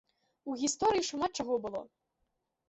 У гісторыі шмат чаго было.